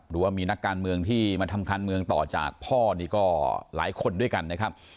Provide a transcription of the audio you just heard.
ว่ามีนักการเมืองที่มาทำการเมืองต่อจากพ่อนี่ก็หลายคนด้วยกันนะครับ